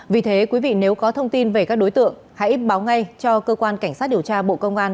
vì thế quý vị nếu có thông tin về các đối tượng hãy báo ngay cho cơ quan cảnh sát điều tra bộ công an